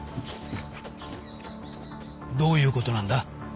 どういう事なんだ？